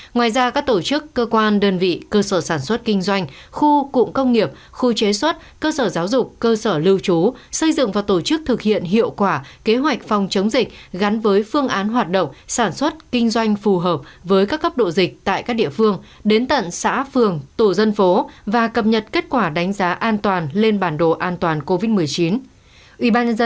ngoài ra các tổ chức cơ quan đơn vị cơ sở sản xuất kinh doanh khu cụm công nghiệp khu chế xuất cơ sở giáo dục cơ sở lưu trú xây dựng và tổ chức thực hiện hiệu quả kế hoạch phòng chống dịch gắn với phương án hoạt động sản xuất kinh doanh phù hợp với các cấp độ dịch tại các địa phương đến tận xã phường tổ dân phố và cập nhật kết quả đánh giá an toàn lên bản đồ an toàn covid một mươi chín